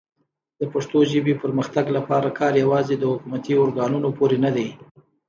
د پښتو ژبې پرمختګ لپاره کار یوازې د حکومتي ارګانونو پورې نه دی.